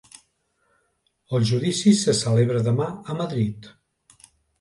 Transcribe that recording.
El judici se celebra demà a Madrid